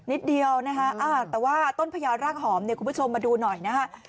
นิดเดียวนะฮะแต่ว่าต้นพญารากหอมเนี่ยคุณผู้ชมมาดูหน่อยนะฮะ